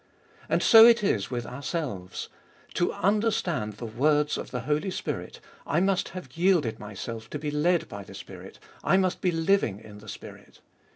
And so it is with ourselves ; to understand the words of the Holy Spirit I must have yielded myself to be led by the Spirit, I must be living in the Spirit.